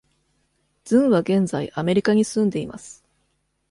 ズンは現在アメリカに住んでいます。